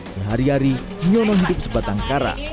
sehari hari nyono hidup sebatang kara